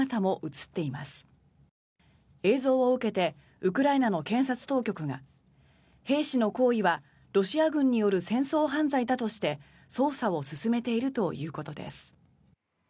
映像を受けてウクライナの検察当局が兵士の行為はロシア軍による戦争犯罪だとして捜査を進めているということです。